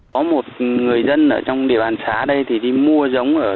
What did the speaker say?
có một người dân ở trong địa bàn xá đây thì đi mua giống ở